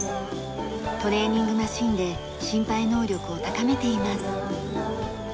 トレーニングマシンで心肺能力を高めています。